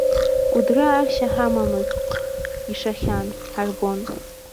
Кәыдры аршьа ҳамамызт, ишахьан, ҳарбон.